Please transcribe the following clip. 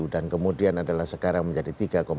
dan kemudian adalah sekarang menjadi tiga empat puluh satu